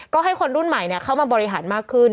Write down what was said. ก็ให้คนรุ่นใหม่เข้ามาบริหารมากขึ้น